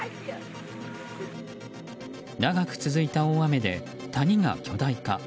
長く続いた大雨で谷が巨大化。